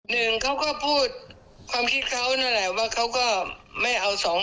หนึ่งเขาก็พูดความคิดเขานั่นแหละว่าเขาก็ไม่เอาสอง